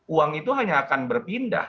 uang itu hanya akan berpindah